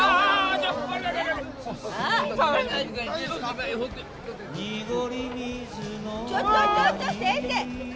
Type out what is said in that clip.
ちょっちょっと先生！